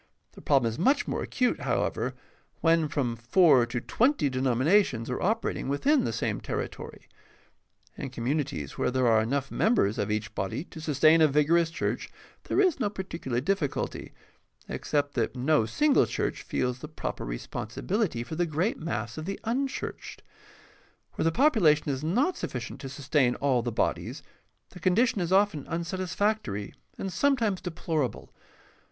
The problem is much more acute, however, when from four to twenty denominations are operating within the same terri tory. In communities where there are enough members of each body to sustain a vigorous church there is no particular difficulty, except that no single church feels the proper respon sibility for the great mass of the unchurched. Where thepopu lation is not sufficient to sustain all the bodies, the condition is often unsatisfactory and sometimes deplorable.